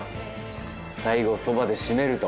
最後そばで締めると。